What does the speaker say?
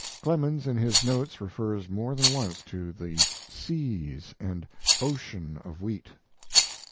Clemens in his notes refers more than once to the "seas" and "ocean" of wheat.